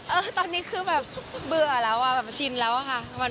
เออตอนนี้คือแบบเบื่อแล้วชินแล้วค่ะ